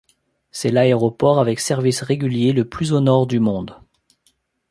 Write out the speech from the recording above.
C'est l'aéroport avec services réguliers le plus au nord du monde.